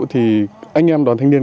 thì anh em đoàn thanh niên